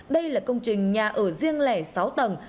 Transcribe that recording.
đây là công trình nhà ở riêng lẻ sáu tầng